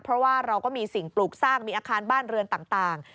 เพราะว่าเราก็มีสิ่งปลูกสร้างมีอาคารบ้านเรือนต่าง